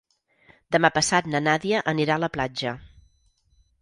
Demà passat na Nàdia anirà a la platja.